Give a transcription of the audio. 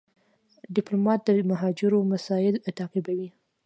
ډيپلومات د مهاجرو مسایل تعقیبوي.